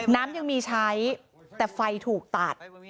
น้ำยังมีใช้แต่ไฟถูกตัด